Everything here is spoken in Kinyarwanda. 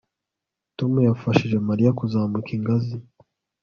Tom yafashije Mariya kuzamuka ingazi